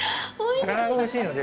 魚がおいしいので。